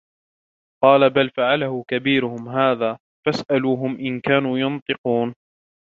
قَالَ بَلْ فَعَلَهُ كَبِيرُهُمْ هَذَا فَاسْأَلُوهُمْ إِنْ كَانُوا يَنْطِقُونَ